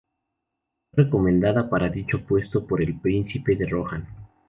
Fue recomendada para dicho puesto por el príncipe de Rohan.